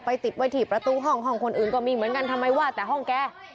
ติดไว้ที่ประตูห้องห้องคนอื่นก็มีเหมือนกันทำไมว่าแต่ห้องแก